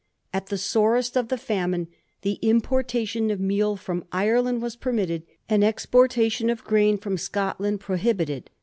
At the sorest of the famine, the importation of meal from Ire land was permitted, and exportation of grain from Scotland prohibited.